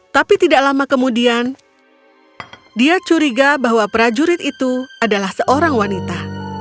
tapi tidak lama kemudian dia curiga bahwa prajurit itu adalah seorang wanita